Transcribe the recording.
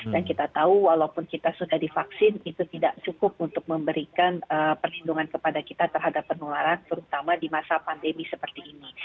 dan kita tahu walaupun kita sudah divaksin itu tidak cukup untuk memberikan perlindungan kepada kita terhadap penularan terutama di masa penularan